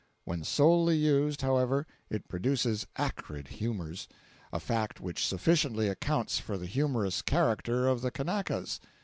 When solely used, however, it produces acrid humors, a fact which sufficiently accounts for the humorous character of the Kanakas.